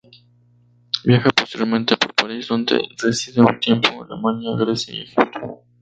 Viaja posteriormente por París donde reside un tiempo, Alemania, Grecia y Egipto.